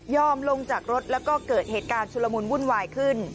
ลงจากรถแล้วก็เกิดเหตุการณ์ชุลมุนวุ่นวายขึ้น